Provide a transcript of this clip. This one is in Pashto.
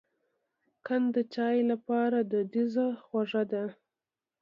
قند د چای لپاره دودیزه خوږه ده.